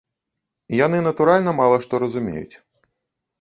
Яны, натуральна, мала што разумеюць.